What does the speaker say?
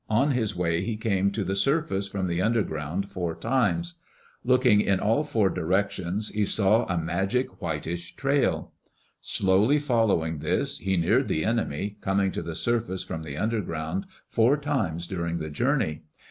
On his way he came to the surface from the underground four times. Looking in all four directions, he saw a magic whitish trail. Slowly following this, he neared the enemy, coming to the surface from the underground four times during the journey.